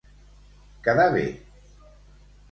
Quedar bé.